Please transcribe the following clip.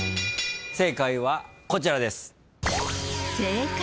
正解はこちらです。